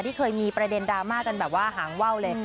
ที่เคยมีประเด็นดราม่ากันแบบว่าหางว่าวเลย